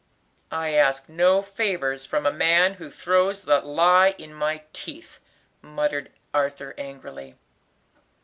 "I ask no favors from a man who throws the lie in my teeth," muttered Arthur angrily.